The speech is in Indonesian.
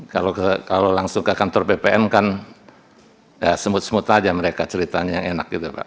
kalau langsung ke kantor bpn kan ya semut semut aja mereka ceritanya enak gitu pak